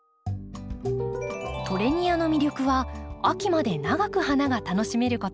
トレニアの魅力は秋まで長く花が楽しめること。